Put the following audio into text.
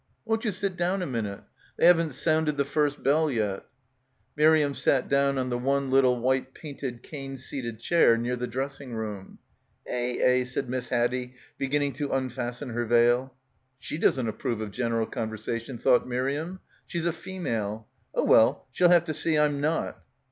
"Won't you sit down a minute ? They haven't sounded the first bell yet." Miriam sat down on •the one little white painted, cane seated chair near the dressing table. "Eh — eh," said Miss Haddie, beginning to unfasten her veil. "She doesn't ap prove of general conversation," thought Miriam. "She's a female. Oh well, she'll have to see I'm not."